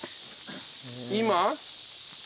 今？